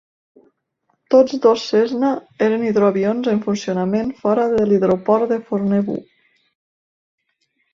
Tots dos Cessna eren hidroavions, en funcionament fora de l'hidroport de Fornebu.